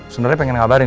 sebenernya pengen ngabarin